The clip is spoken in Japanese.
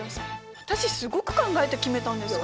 私すごく考えて決めたんですから。